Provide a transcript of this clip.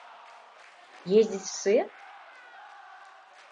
Ездить в свет?